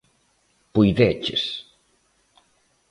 Puideches!